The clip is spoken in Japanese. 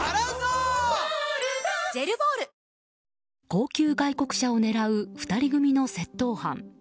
高級外国車を狙う２人組の窃盗犯。